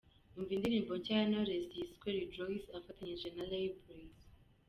Umva indirimbo nshya ya Knowless yise "Rejoice" afatanyije na Ray Blaze.